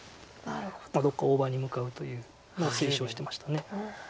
どこか大場に向かうというのを推奨してました。